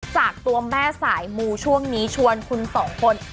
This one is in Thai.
จากตัวแม่สายมูช่วงนี้ชวนคุณสองคน